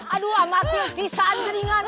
aduh amat pisan jaringan